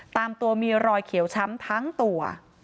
ตามตัวมีรอยเขียวช้ำทั้งตัว